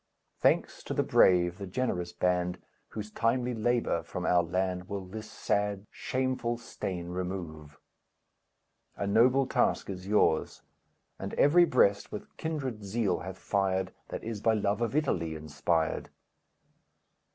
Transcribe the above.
Thanks to the brave, the generous band, Whose timely labor from our land Will this sad, shameful stain remove! A noble task is yours, And every breast with kindred zeal hath fired, That is by love of Italy inspired.